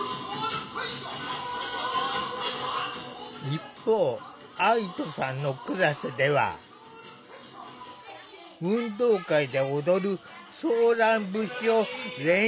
一方愛土さんのクラスでは運動会で踊るソーラン節を練習していた。